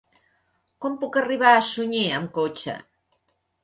Com puc arribar a Sunyer amb cotxe?